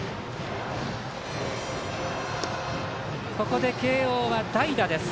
ここで慶応は代打です。